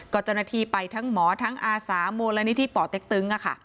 ก็เจ้าหน้าที่ไปทั้งหมอทั้งอาสามูลนิธิป่อเต็กตึง